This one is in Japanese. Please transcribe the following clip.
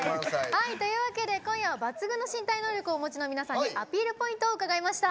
というわけで今夜は抜群の身体能力をお持ちの皆さんにアピールポイントを伺いました。